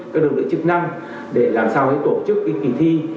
các đồng đội chức năng để làm sao tổ chức kỳ thi